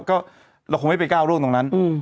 ก็เราคงไม่ไปก้าวร่วงตรงนั้น